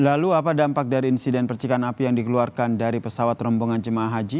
lalu apa dampak dari insiden percikan api yang dikeluarkan dari pesawat rombongan jemaah haji